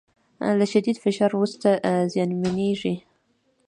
له شدید فشار وروسته زیانمنېږي